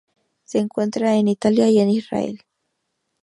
Se encuentra en Italia y en Israel.